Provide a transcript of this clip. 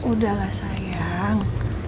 udah lah sayang